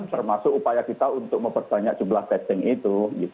termasuk upaya kita untuk memperbanyak jumlah testing itu